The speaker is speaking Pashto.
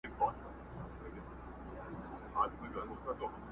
هیڅوک نه وايي چي عقل مرور دی،